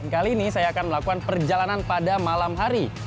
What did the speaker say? kali ini saya akan melakukan perjalanan pada malam hari